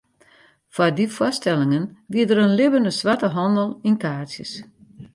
Foar dy foarstellingen wie der in libbene swarte handel yn kaartsjes.